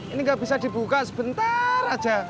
ini nggak bisa dibuka sebentar aja